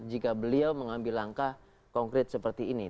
jika beliau mengambil langkah konkret seperti ini